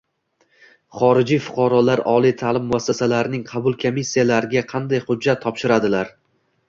Xorijiy fuqarolar oliy ta’lim muassasalarining qabul komissiyalariga qanday hujjatlar topshiradilar?